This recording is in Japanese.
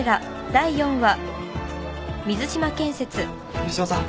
水島さん